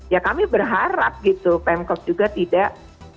ya kami berharap gitu pemkot juga tidak